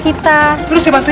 kita terus sebatas